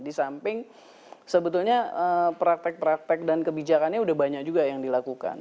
di samping sebetulnya praktek praktek dan kebijakannya sudah banyak juga yang dilakukan